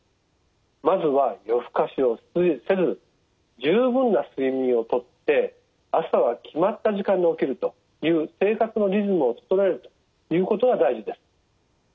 まずは夜更かしをせず十分な睡眠をとって朝は決まった時間に起きるという生活のリズムを整えるということが大事です。